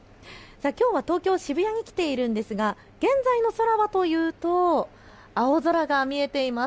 きょうは東京渋谷に来ているんですが現在の空はというと青空が見えています。